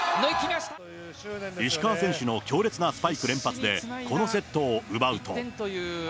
石川選手の強烈なスパイク連発で、このセットを奪うと。